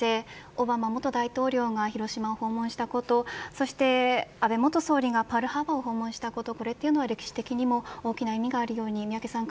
オバマ元大統領が広島を訪問したことそして安倍元総理がパールハーバーを訪問したことは歴史的に大きな意味合いがあると思います。